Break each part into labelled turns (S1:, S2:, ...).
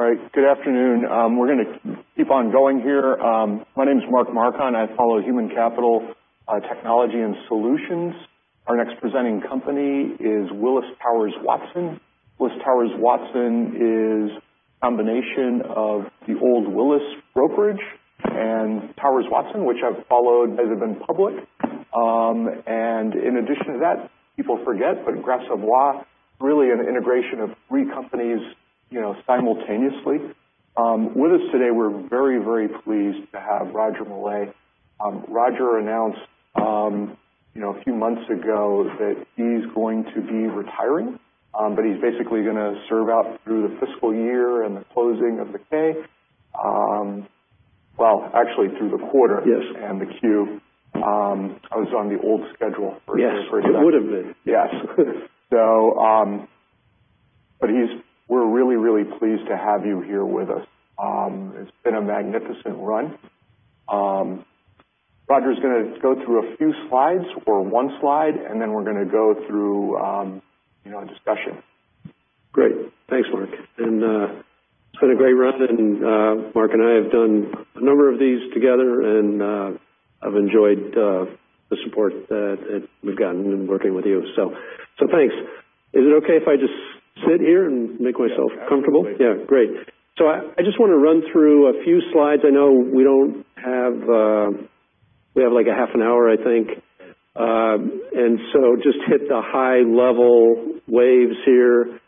S1: All right. Good afternoon. We're going to keep on going here. My name's Mark Marcon. I follow human capital technology and solutions. Our next presenting company is Willis Towers Watson. Willis Towers Watson is a combination of the old Willis Group and Towers Watson, which I've followed as they've been public. In addition to that, people forget, but Gras Savoye, really an integration of three companies simultaneously. With us today, we're very, very pleased to have Roger Millay. Roger announced a few months ago that he's going to be retiring, but he's basically going to serve out through the fiscal year and the closing of the bank. Well, actually through the quarter-
S2: Yes
S1: and the Q. I was on the old schedule for a second.
S2: Yes. It would've been.
S1: Yes. We're really pleased to have you here with us. It's been a magnificent run. Roger's going to go through a few slides or one slide, and then we're going to go through a discussion.
S2: Great. Thanks, Mark. It's been a great run, and Mark and I have done a number of these together, and I've enjoyed the support that we've gotten in working with you. Thanks. Is it okay if I just sit here and make myself comfortable?
S1: Yeah. Absolutely.
S2: Yeah. Great. I just want to run through a few slides. I know we have a half an hour, I think. Just hit the high level waves here.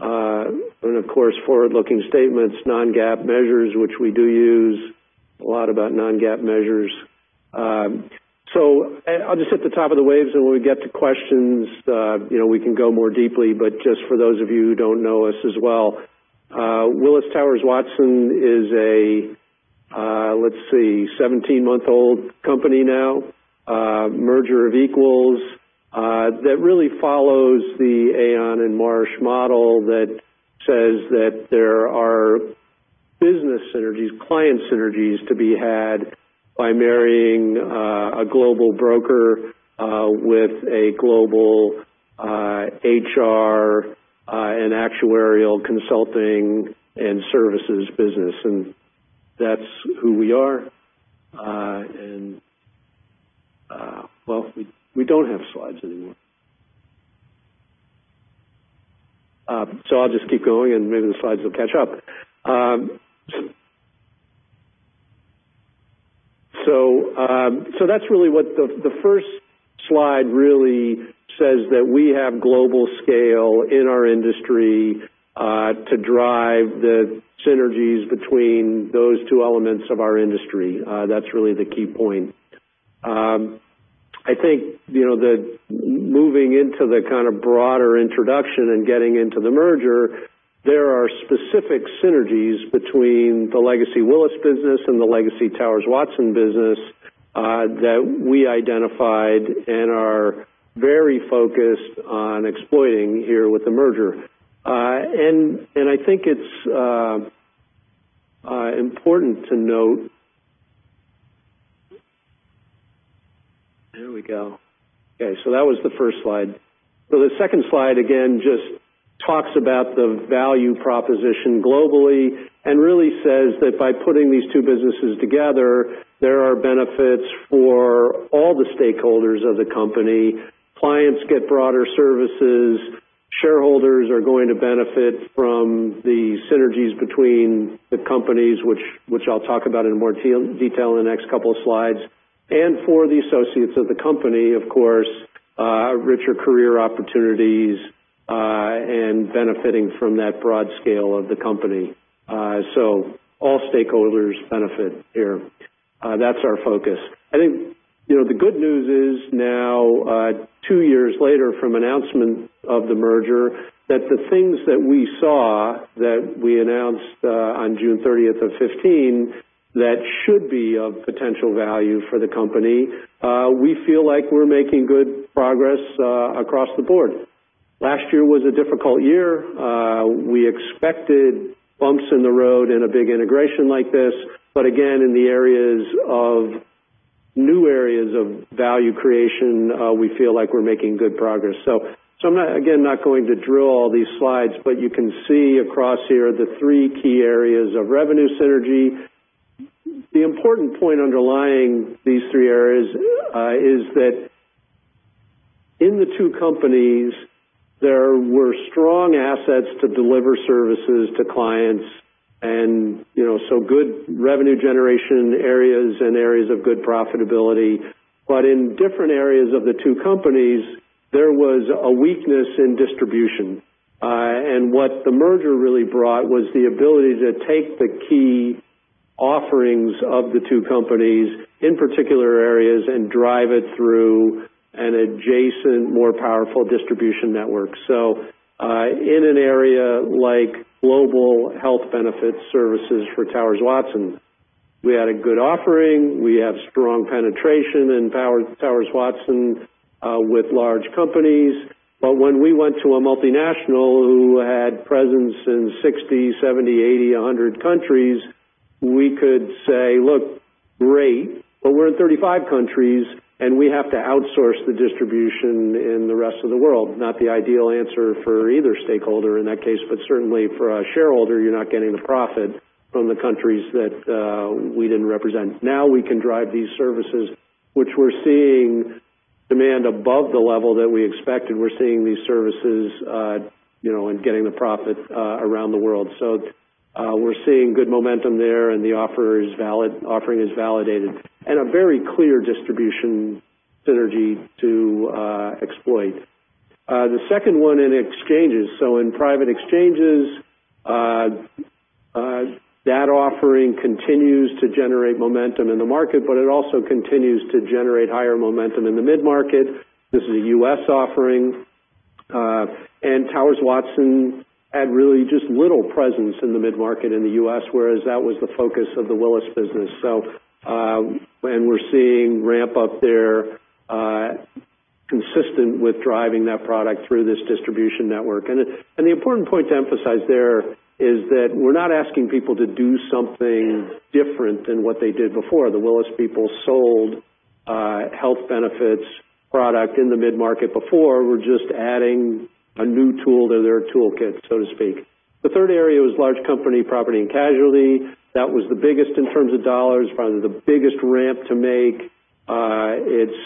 S2: Of course, forward-looking statements, non-GAAP measures, which we do use a lot about non-GAAP measures. I'll just hit the top of the waves, and when we get to questions, we can go more deeply. Just for those of you who don't know us as well, Willis Towers Watson is a, let's see, 17-month-old company now, merger of equals, that really follows the Aon and Marsh model that says that there are business synergies, client synergies to be had by marrying a global broker with a global HR, and actuarial consulting and services business. That's who we are. Well, we don't have slides anymore. I'll just keep going, and maybe the slides will catch up. That's really what the first slide really says that we have global scale in our industry, to drive the synergies between those two elements of our industry. That's really the key point. I think, moving into the kind of broader introduction and getting into the merger, there are specific synergies between the legacy Willis business and the legacy Towers Watson business, that we identified and are very focused on exploiting here with the merger. I think it's important to note There we go. Okay. That was the first slide. The second slide, again, just talks about the value proposition globally and really says that by putting these two businesses together, there are benefits for all the stakeholders of the company. Clients get broader services. Shareholders are going to benefit from the synergies between the companies, which I'll talk about in more detail in the next couple of slides. For the associates of the company, of course, richer career opportunities, and benefiting from that broad scale of the company. All stakeholders benefit here. That's our focus. I think, the good news is now, two years later from announcement of the merger, that the things that we saw that we announced on June 30th of 2015, that should be of potential value for the company, we feel like we're making good progress across the board. Last year was a difficult year. We expected bumps in the road in a big integration like this. Again, in the areas of new areas of value creation, we feel like we're making good progress. I'm, again, not going to drill all these slides, but you can see across here the three key areas of revenue synergy. The important point underlying these three areas is that in the two companies, there were strong assets to deliver services to clients, good revenue generation areas and areas of good profitability. In different areas of the two companies, there was a weakness in distribution. What the merger really brought was the ability to take the key offerings of the two companies, in particular areas, and drive it through an adjacent, more powerful distribution network. In an area like global health benefit services for Towers Watson, we had a good offering. We have strong penetration in Towers Watson, with large companies. When we went to a multinational who had presence in 60, 70, 80, 100 countries. We could say, "Look, great, but we're in 35 countries, and we have to outsource the distribution in the rest of the world." Not the ideal answer for either stakeholder in that case, but certainly for a shareholder, you're not getting the profit from the countries that we didn't represent. Now we can drive these services, which we're seeing demand above the level that we expected. We're seeing these services, and getting the profit around the world. We're seeing good momentum there and the offering is validated, and a very clear distribution synergy to exploit. The second one in exchanges. In private exchanges, that offering continues to generate momentum in the market, but it also continues to generate higher momentum in the mid-market. This is a U.S. offering. Towers Watson had really just little presence in the mid-market in the U.S., whereas that was the focus of the Willis business. We're seeing ramp-up there, consistent with driving that product through this distribution network. The important point to emphasize there is that we're not asking people to do something different than what they did before. The Willis people sold health benefits product in the mid-market before. We're just adding a new tool to their toolkit, so to speak. The third area was large company property and casualty. That was the biggest in terms of dollars, probably the biggest ramp to make. It's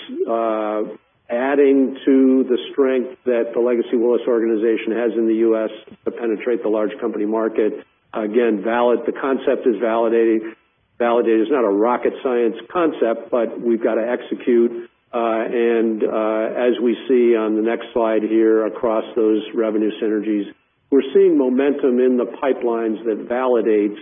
S2: adding to the strength that the legacy Willis organization has in the U.S. to penetrate the large company market. Again, the concept is validated. It's not a rocket science concept, but we've got to execute. As we see on the next slide here across those revenue synergies, we're seeing momentum in the pipelines that validates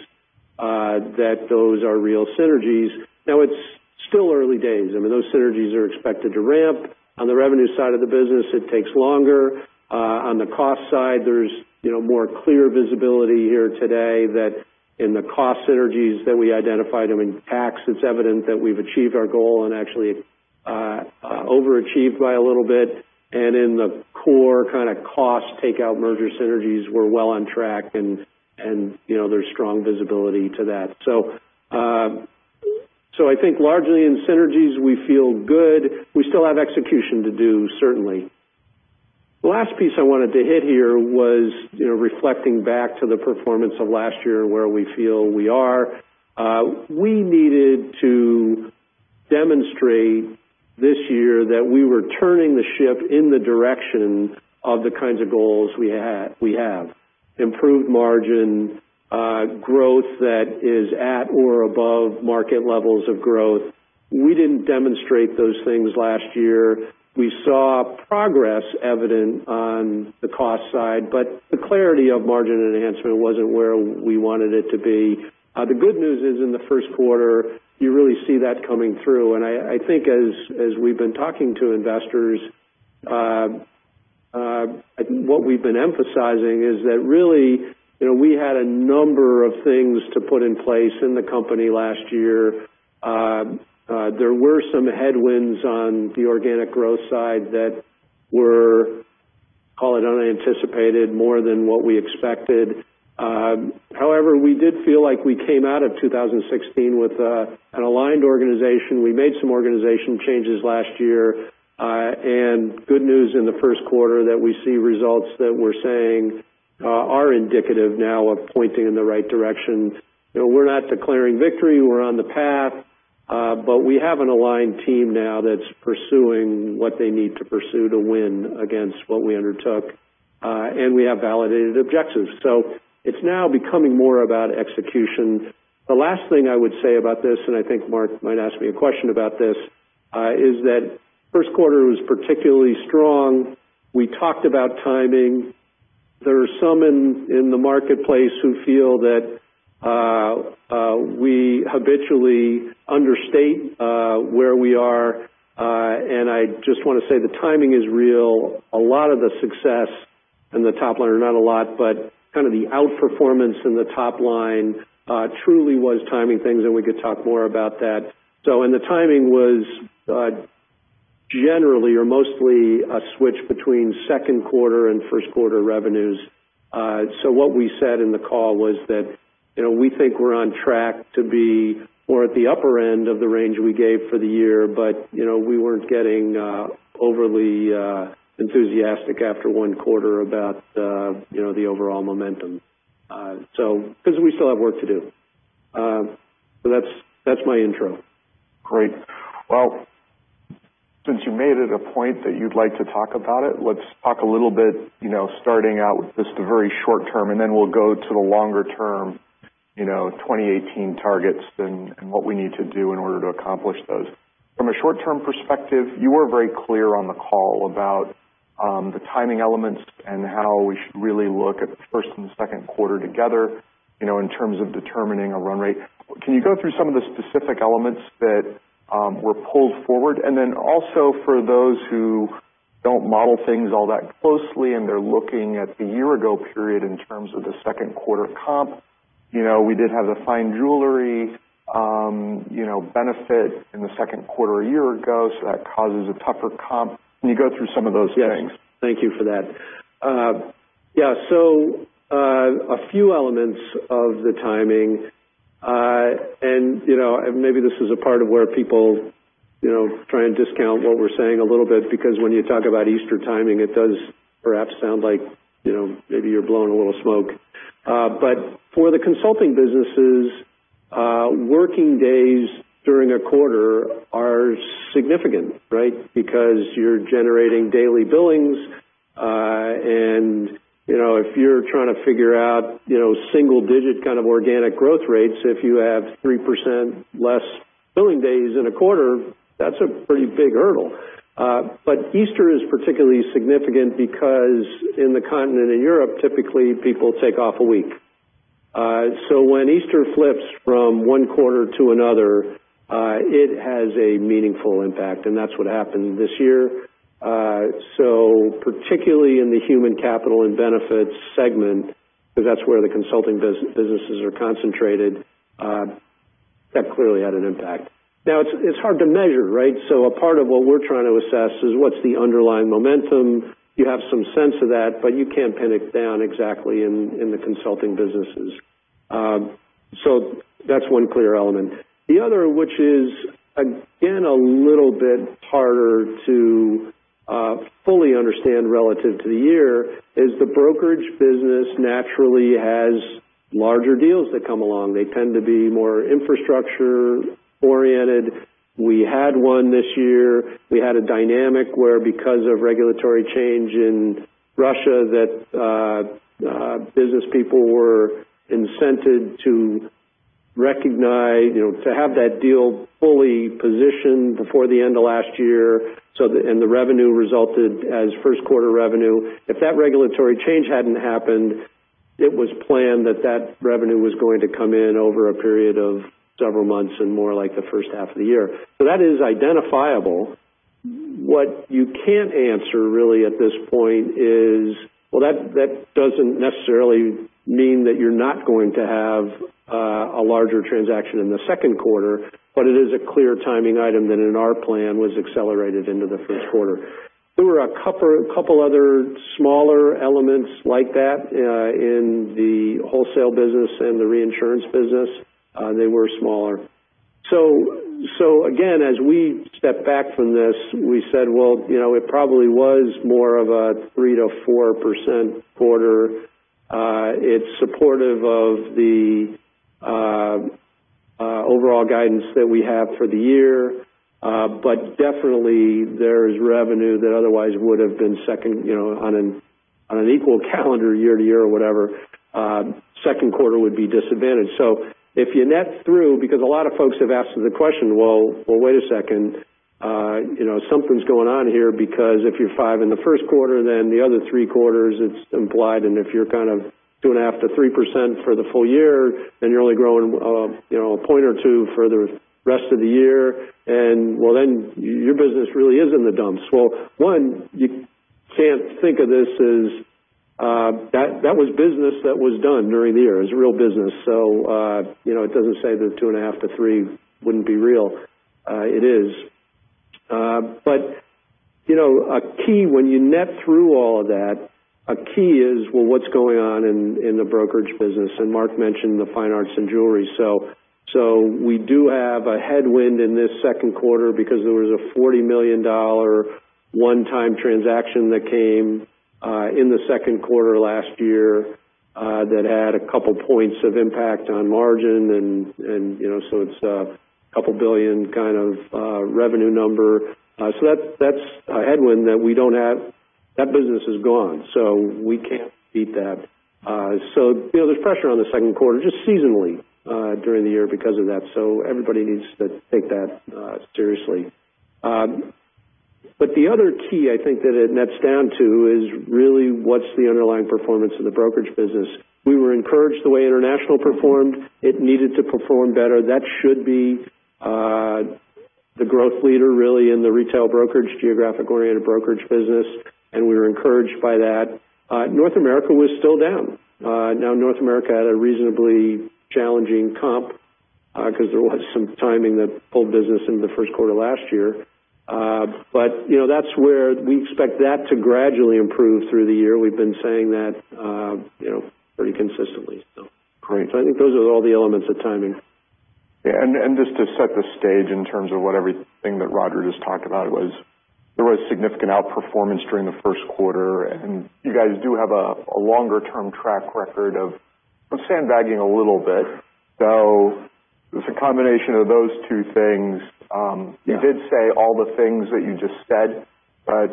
S2: that those are real synergies. It's still early days. I mean, those synergies are expected to ramp. On the revenue side of the business, it takes longer. On the cost side, there's more clear visibility here today that in the cost synergies that we identified, I mean, tax, it's evident that we've achieved our goal and actually overachieved by a little bit. In the core kind of cost takeout merger synergies, we're well on track, and there's strong visibility to that. I think largely in synergies, we feel good. We still have execution to do, certainly. The last piece I wanted to hit here was reflecting back to the performance of last year and where we feel we are. We needed to demonstrate this year that we were turning the ship in the direction of the kinds of goals we have. Improved margin, growth that is at or above market levels of growth. We didn't demonstrate those things last year. We saw progress evident on the cost side, but the clarity of margin enhancement wasn't where we wanted it to be. The good news is in the first quarter, you really see that coming through. I think as we've been talking to investors, what we've been emphasizing is that really, we had a number of things to put in place in the company last year. There were some headwinds on the organic growth side that were, call it unanticipated, more than what we expected. However, we did feel like we came out of 2016 with an aligned organization. We made some organization changes last year. Good news in the first quarter that we see results that we're saying are indicative now of pointing in the right direction. We're not declaring victory. We're on the path. We have an aligned team now that's pursuing what they need to pursue to win against what we undertook. We have validated objectives. It's now becoming more about execution. The last thing I would say about this, and I think Mark might ask me a question about this, is that first quarter was particularly strong. We talked about timing. There are some in the marketplace who feel that we habitually understate where we are. I just want to say the timing is real. A lot of the success in the top line are not a lot, but kind of the outperformance in the top line truly was timing things, and we could talk more about that. The timing was generally or mostly a switch between second quarter and first quarter revenues. What we said in the call was that we think we're on track to be more at the upper end of the range we gave for the year, but we weren't getting overly enthusiastic after one quarter about the overall momentum. Because we still have work to do. That's my intro.
S1: Great. Since you made it a point that you'd like to talk about it, let's talk a little bit, starting out with just the very short term, and then we'll go to the longer term 2018 targets and what we need to do in order to accomplish those. From a short-term perspective, you were very clear on the call about the timing elements and how we should really look at the first and second quarter together, in terms of determining a run rate. Can you go through some of the specific elements that were pulled forward? Then also for those who don't model things all that closely, and they're looking at the year ago period in terms of the second quarter comp, we did have the Fine Jewelry benefit in the second quarter a year ago, that causes a tougher comp. Can you go through some of those things?
S2: Yes. Thank you for that. A few elements of the timing, and maybe this is a part of where people try and discount what we're saying a little bit, because when you talk about Easter timing, it does perhaps sound like maybe you're blowing a little smoke. For the consulting businesses, working days during a quarter are significant, right? Because you're generating daily billings. If you're trying to figure out single-digit kind of organic growth rates, if you have 3% less billing days in a quarter, that's a pretty big hurdle. Easter is particularly significant because in the continent in Europe, typically people take off a week. When Easter flips from one quarter to another, it has a meaningful impact, and that's what happened this year. Particularly in the Human Capital and Benefits segment, because that's where the consulting businesses are concentrated, that clearly had an impact. It's hard to measure, right? A part of what we're trying to assess is what's the underlying momentum. You have some sense of that, but you can't pin it down exactly in the consulting businesses. That's one clear element. The other, which is again, a little bit harder to fully understand relative to the year, is the brokerage business naturally has larger deals that come along. They tend to be more infrastructure-oriented. We had one this year. We had a dynamic where, because of regulatory change in Russia, that business people were incented to have that deal fully positioned before the end of last year, and the revenue resulted as first quarter revenue. If that regulatory change hadn't happened, it was planned that that revenue was going to come in over a period of several months and more like the first half of the year. That is identifiable. What you can't answer really at this point is, well, that doesn't necessarily mean that you're not going to have a larger transaction in the second quarter, but it is a clear timing item that in our plan, was accelerated into the first quarter. There were a couple other smaller elements like that in the wholesale business and the reinsurance business. They were smaller. Again, as we step back from this, we said, well, it probably was more of a 3%-4% quarter. It's supportive of the overall guidance that we have for the year. Definitely, there's revenue that otherwise would have been second on an equal calendar year-to-year or whatever. Second quarter would be disadvantaged. If you net through, because a lot of folks have asked the question, well, wait a second. Something's going on here, because if you're 5 in the first quarter, then the other 3 quarters, it's implied, and if you're kind of two and a half to 3% for the full year, then you're only growing a point or two for the rest of the year. Well, then your business really is in the dumps. Well, one, you can't think of this as that was business that was done during the year. It was real business. It doesn't say that two and a half to three wouldn't be real. It is. A key, when you net through all of that, a key is, well, what's going on in the brokerage business? Mark mentioned the Fine Art, Jewelry & Specie. We do have a headwind in this second quarter because there was a $40 million one-time transaction that came in the second quarter last year that had a couple points of impact on margin, and so it's a couple of billion kind of revenue number. That's a headwind that we don't have. That business is gone, so we can't beat that. There's pressure on the second quarter, just seasonally during the year because of that. Everybody needs to take that seriously. The other key I think that it nets down to is really what's the underlying performance in the brokerage business. We were encouraged the way international performed. It needed to perform better. That should be the growth leader, really in the retail brokerage, geographic-oriented brokerage business, we were encouraged by that. North America was still down. Now, North America had a reasonably challenging comp because there was some timing that pulled business into the first quarter last year. That's where we expect that to gradually improve through the year. We've been saying that pretty consistently. I think those are all the elements of timing.
S1: Just to set the stage in terms of what everything that Roger just talked about was, there was significant outperformance during the first quarter, and you guys do have a longer-term track record of sandbagging a little bit. It's a combination of those two things. You did say all the things that you just said, but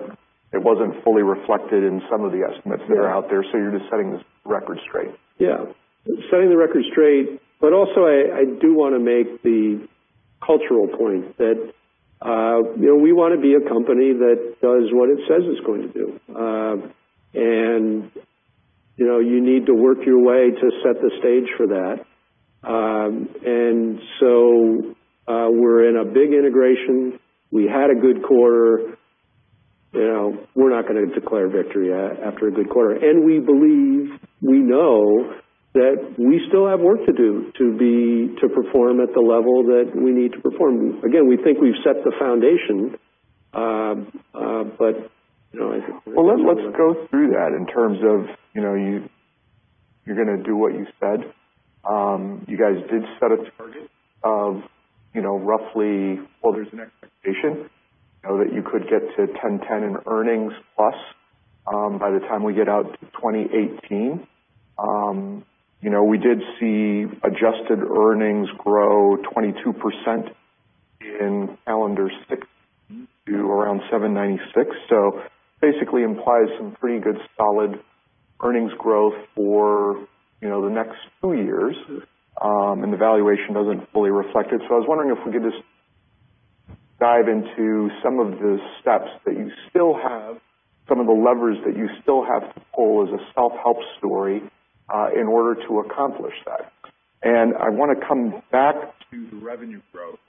S1: it wasn't fully reflected in some of the estimates that are out there. You're just setting the record straight.
S2: Yeah. Setting the record straight, also, I do want to make the cultural point that we want to be a company that does what it says it's going to do. You need to work your way to set the stage for that. We're in a big integration. We had a good quarter. We're not going to declare victory after a good quarter. We believe we know that we still have work to do to perform at the level that we need to perform. Again, we think we've set the foundation.
S1: Well, let's go through that in terms of you're going to do what you said. You guys did set a target of roughly, well, there's an expectation that you could get to $10.10 in earnings plus by the time we get out to 2018. We did see adjusted earnings grow 22% in calendar 2016 to around $796. Basically implies some pretty good solid earnings growth for the next two years.
S2: Sure.
S1: The valuation doesn't fully reflect it. I was wondering if we could just dive into some of the steps that you still have, some of the levers that you still have to pull as a self-help story, in order to accomplish that. I want to come back to the revenue growth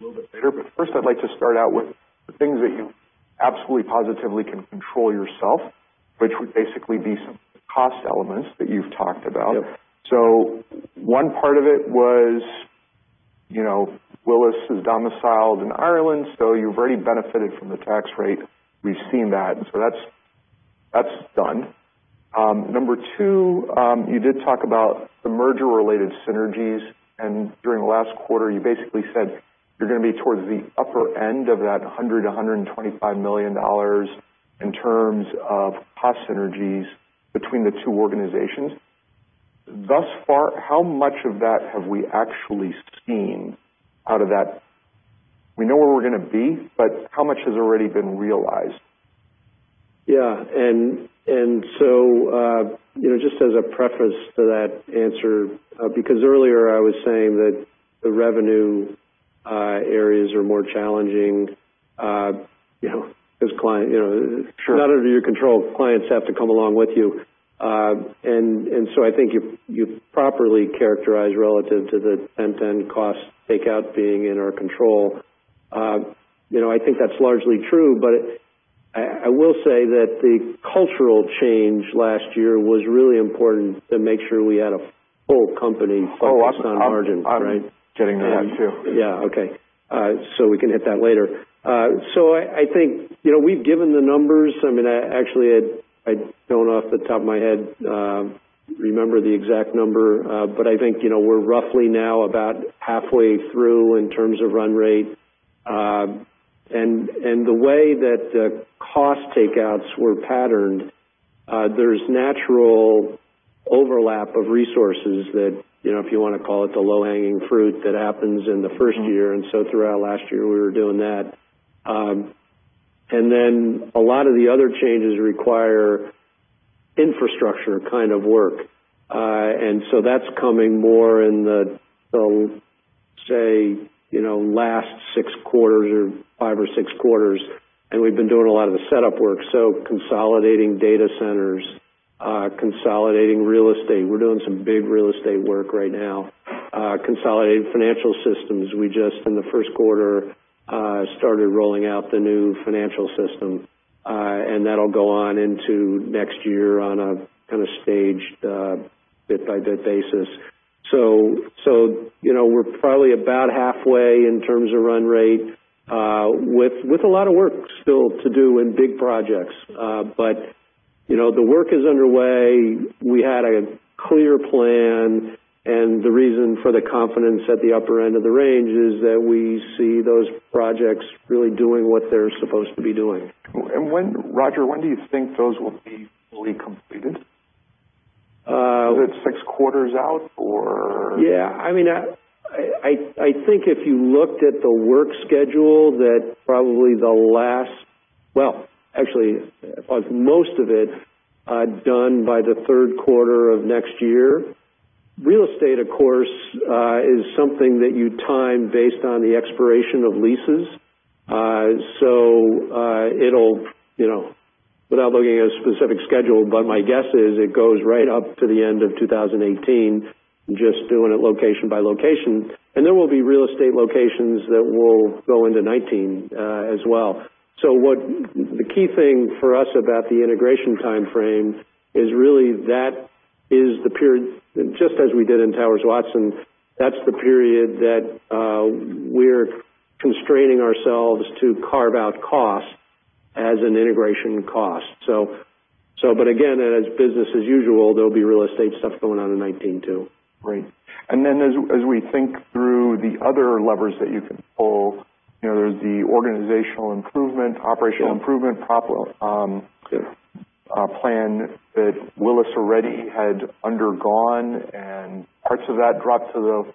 S1: a little bit later. First, I'd like to start out with the things that you absolutely, positively can control yourself, which would basically be some cost elements that you've talked about.
S2: Yep.
S1: One part of it was Willis is domiciled in Ireland, you've already benefited from the tax rate. We've seen that. That's done. Number two, you did talk about the merger-related synergies. During the last quarter, you basically said you're going to be towards the upper end of that $100 million-$125 million in terms of cost synergies between the two organizations. Thus far, how much of that have we actually seen out of that? We know where we're going to be, but how much has already been realized?
S2: Just as a preface to that answer, because earlier I was saying that the revenue areas are more challenging, because it's not under your control if clients have to come along with you. I think you properly characterize relative to the 10.10 cost takeout being in our control. I think that's largely true, but I will say that the cultural change last year was really important to make sure we had a full company focused on margins, right?
S1: I'm getting to that too.
S2: We can hit that later. I think we've given the numbers. Actually, I don't off the top of my head remember the exact number, but I think we're roughly now about halfway through in terms of run rate. The way that the cost takeouts were patterned, there's natural overlap of resources that, if you want to call it the low-hanging fruit that happens in the first year. Throughout last year, we were doing that. Then a lot of the other changes require infrastructure kind of work. That's coming more in the, say, last six quarters or five or six quarters, and we've been doing a lot of the setup work, so consolidating data centers, consolidating real estate. We're doing some big real estate work right now. Consolidating financial systems. We just, in the first quarter, started rolling out the new financial system, that'll go on into next year on a kind of staged, bit-by-bit basis. We're probably about halfway in terms of run rate, with a lot of work still to do and big projects. The work is underway. We had a clear plan, the reason for the confidence at the upper end of the range is that we see those projects really doing what they're supposed to be doing.
S1: Roger Millay, when do you think those will be fully completed? Is it six quarters out, or?
S2: Yeah. I think if you looked at the work schedule, probably Well, actually, most of it done by the third quarter of next year. Real estate, of course, is something that you time based on the expiration of leases. Without looking at a specific schedule, my guess is it goes right up to the end of 2018, just doing it location by location. There will be real estate locations that will go into 2019 as well. The key thing for us about the integration timeframe is really that is the period, just as we did in Towers Watson, that's the period that we're constraining ourselves to carve out costs as an integration cost. Again, as business as usual, there'll be real estate stuff going on in 2019 too.
S1: Right. As we think through the other levers that you can pull, there's the organizational improvement, operational improvement plan that Willis already had undergone, parts of that dropped to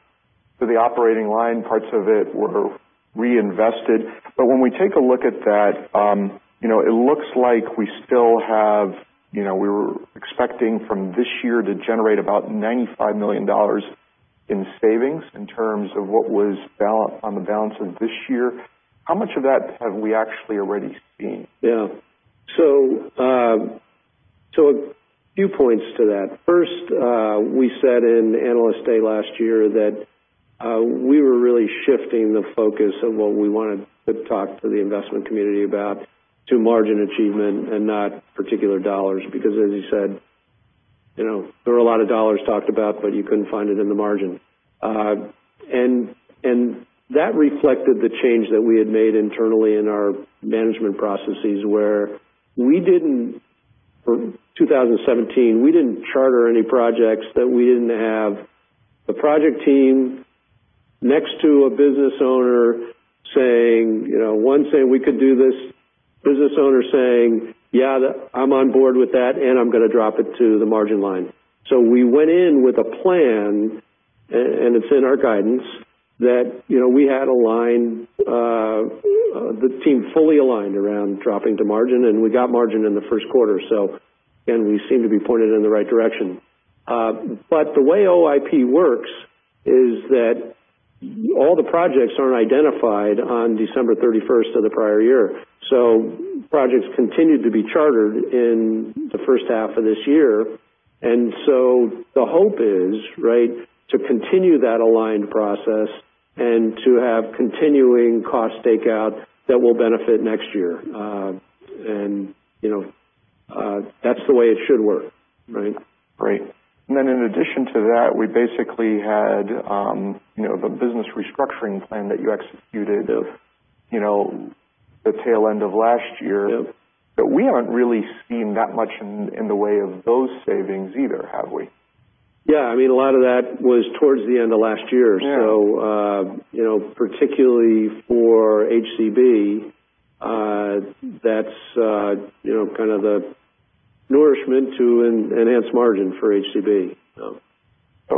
S1: the operating line, parts of it were reinvested. When we take a look at that, it looks like We were expecting from this year to generate about $95 million in savings in terms of what was on the balance sheet this year. How much of that have we actually already seen?
S2: Yeah. A few points to that. First, we said in Analyst Day last year that we were really shifting the focus of what we wanted to talk to the investment community about to margin achievement and not particular dollars. Because as you said, there were a lot of dollars talked about, but you couldn't find it in the margin. That reflected the change that we had made internally in our management processes, where for 2017, we didn't charter any projects that we didn't have the project team next to a business owner saying, one saying, "We could do this," business owner saying, "Yeah, I'm on board with that and I'm going to drop it to the margin line." We went in with a plan, and it's in our guidance, that the team fully aligned around dropping to margin, and we got margin in the first quarter. We seem to be pointed in the right direction. The way OIP works is that all the projects aren't identified on December 31st of the prior year. Projects continued to be chartered in the first half of this year. The hope is, right, to continue that aligned process and to have continuing cost takeout that will benefit next year. That's the way it should work, right?
S1: Right. In addition to that, we basically had the business restructuring plan that you executed-
S2: Yep
S1: the tail end of last year.
S2: Yep.
S1: We haven't really seen that much in the way of those savings either, have we?
S2: Yeah. A lot of that was towards the end of last year.
S1: Yeah.
S2: Particularly for HCB, that's kind of the nourishment to enhance margin for HCB.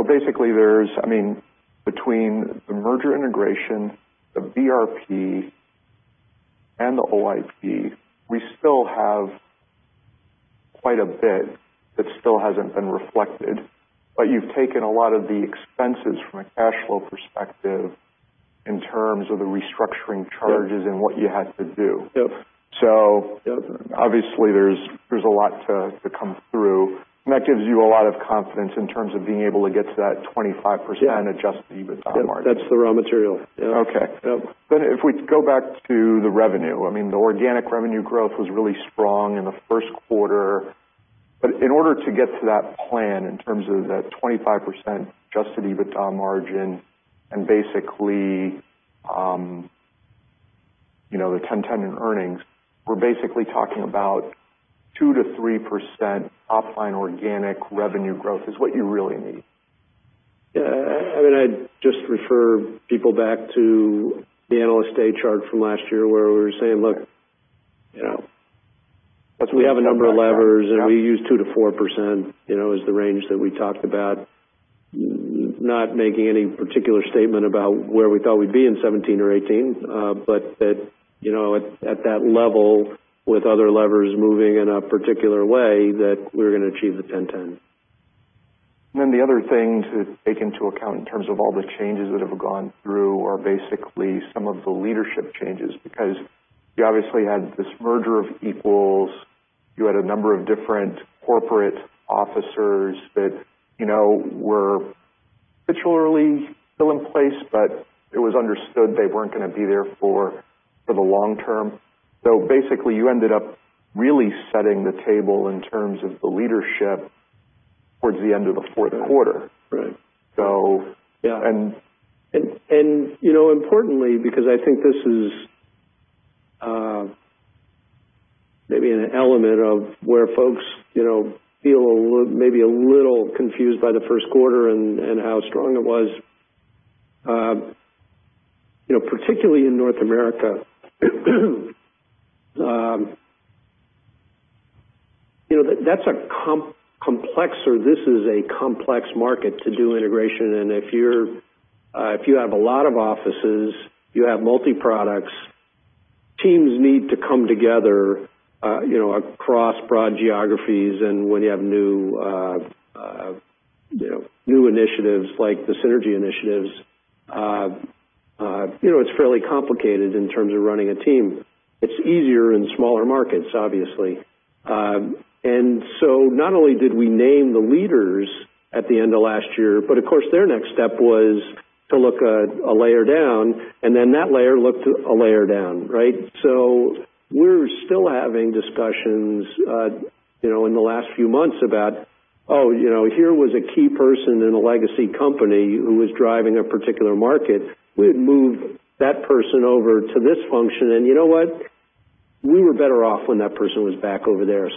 S1: Basically there's, between the merger integration, the BRP, and the OIP, we still have quite a bit that still hasn't been reflected. You've taken a lot of the expenses from a cash flow perspective in terms of the restructuring charges.
S2: Yep
S1: What you had to do.
S2: Yep.
S1: Obviously there's a lot to come through, and that gives you a lot of confidence in terms of being able to get to that 25% adjusted EBITDA margin.
S2: Yeah. That's the raw material. Yep.
S1: Okay.
S2: Yep.
S1: If we go back to the revenue, the organic revenue growth was really strong in the first quarter. In order to get to that plan in terms of that 25% adjusted EBITDA margin and basically the 10/10 in earnings, we're basically talking about 2%-3% offline organic revenue growth is what you really need.
S2: Yeah. I'd just refer people back to the Analyst Day chart from last year where we were saying, look, we have a number of levers, and we use 2%-4%, is the range that we talked about. Not making any particular statement about where we thought we'd be in 2017 or 2018. At that level, with other levers moving in a particular way, that we were going to achieve the 10/10.
S1: The other thing to take into account in terms of all the changes that have gone through are basically some of the leadership changes, because you obviously had this merger of equals. You had a number of different corporate officers that were nominally still in place, but it was understood they weren't going to be there for the long term. Basically, you ended up really setting the table in terms of the leadership towards the end of the fourth quarter.
S2: Right.
S1: So-
S2: Yeah.
S1: And-
S2: Importantly, because I think this is maybe an element of where folks feel maybe a little confused by the first quarter and how strong it was. Particularly in North America, that's a complex, or this is a complex market to do integration. If you have a lot of offices, you have multi-products, teams need to come together across broad geographies. When you have new initiatives like the synergy initiatives, it's fairly complicated in terms of running a team. It's easier in smaller markets, obviously. Not only did we name the leaders at the end of last year, but of course, their next step was to look a layer down, and then that layer looked a layer down, right? We're still having discussions in the last few months about, oh, here was a key person in a legacy company who was driving a particular market. We had moved that person over to this function, and you know what? We were better off when that person was back over there.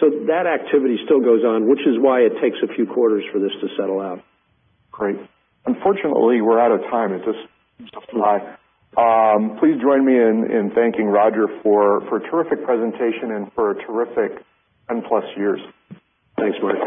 S2: That activity still goes on, which is why it takes a few quarters for this to settle out.
S1: Great. Unfortunately, we're out of time. It just flew by. Please join me in thanking Roger for a terrific presentation and for a terrific 10+ years.
S2: Thanks, Mark